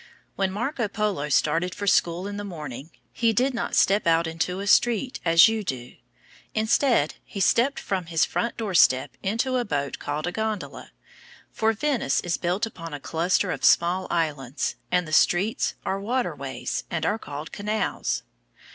When Marco Polo started for school in the morning, he did not step out into a street, as you do. Instead, he stepped from his front doorstep into a boat called a gondola; for Venice is built upon a cluster of small islands, and the streets are water ways and are called canals.